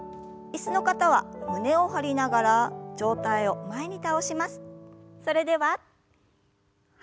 椅子の方は胸を張りながら上体を前に。